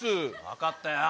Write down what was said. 分かったよ！